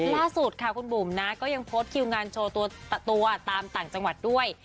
ล่าสุดค่ะคุณบุ๋มนะก็ยังโพสต์คิวงานโชว์ตัวตามต่างจังหวัดด้วย